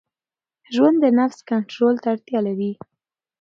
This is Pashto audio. ژوند د نفس کنټرول ته اړتیا لري.